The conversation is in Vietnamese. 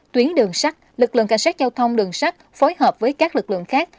tuyến đường sắt lực lượng cảnh sát giao thông đường sắt phối hợp với các lực lượng khác